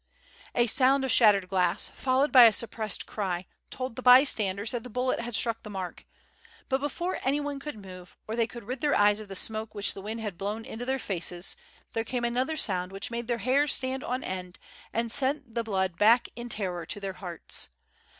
A sound of shattered glass, followed by a suppressed cry, told the bystanders that the bullet had struck the mark, but before any one could move, or they could rid their eyes of the smoke which the wind had blown into their faces, there came another sound which made their hair stand on end and sent the blood back in terror to their hearts.